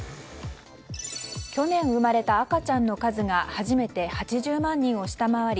去年生まれた赤ちゃんの数が初めて８０万人を下回り